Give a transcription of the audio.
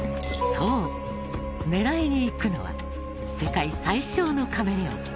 そう狙いにいくのは世界最小のカメレオン。